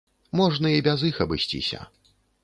Можна і без іх абысціся.